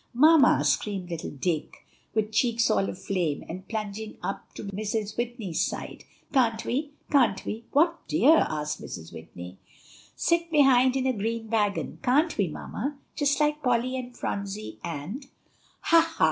"Mamma," screamed little Dick, with cheeks all aflame, and plunging up to Mrs. Whitney's side, "can't we? can't we?" "What, dear?" asked Mrs. Whitney. "Sit in behind in a green wagon? Can't we, mamma, just like Polly and Phronsie, and" "Ha, ha!